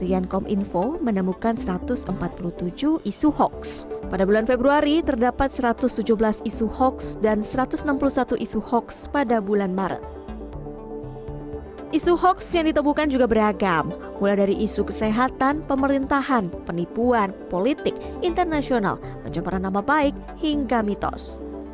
isu hoaks yang ditemukan juga beragam mulai dari isu kesehatan pemerintahan penipuan politik internasional penjemparan nama baik hingga mitos